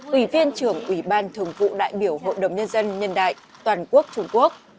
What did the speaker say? ủy viên trưởng ủy ban thường vụ đại biểu hội đồng nhân dân nhân đại toàn quốc trung quốc